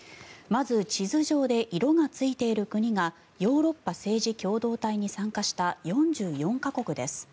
まず地図上で色がついている国がヨーロッパ政治共同体に参加した４４か国です。